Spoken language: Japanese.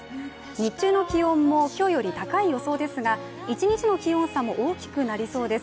日中の気温も今日より高い予想ですが、一日の気温差も大きくなりそうです。